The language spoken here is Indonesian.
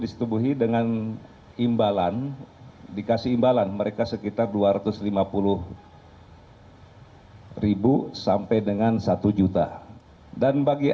disetubuhi dengan imbalan dikasih imbalan mereka sekitar dua ratus lima puluh sampai dengan satu juta dan bagi